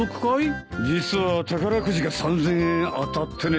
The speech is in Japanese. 実は宝くじが３，０００円当たってね。